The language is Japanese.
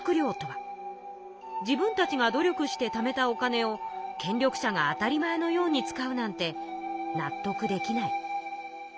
自分たちが努力してためたお金を権力者が当たり前のように使うなんて納得できない。